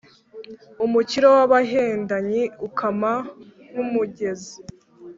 Umukiro w’abahendanyi ukama nk’umugezi,